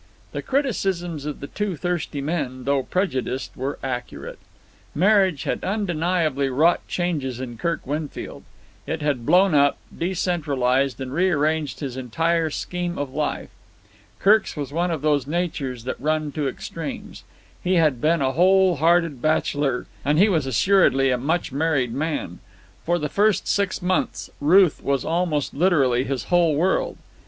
The criticisms of the two thirsty men, though prejudiced, were accurate. Marriage had undeniably wrought changes in Kirk Winfield. It had blown up, decentralized, and re arranged his entire scheme of life. Kirk's was one of those natures that run to extremes. He had been a whole hearted bachelor, and he was assuredly a much married man. For the first six months Ruth was almost literally his whole world.